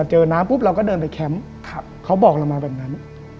น้ำปุ๊บเราก็เดินไปแคมป์เขาบอกเรามาแบบนั้น